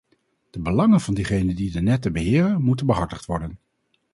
De belangen van diegenen die de netten beheren, moeten behartigd worden.